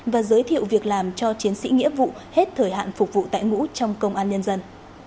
và giới thiệu việc làm cho chiến sĩ nghĩa vụ hết thời hạn phục vụ tại ngũ trong công an nhân dân